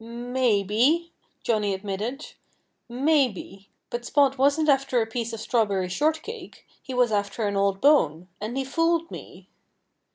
"Maybe!" Johnnie admitted. "Maybe! But Spot wasn't after a piece of strawberry shortcake. He was after an old bone. And he fooled me."